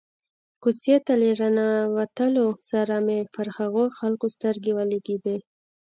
کوڅې ته له را ننوتلو سره مې پر هغو خلکو سترګې ولګېدې.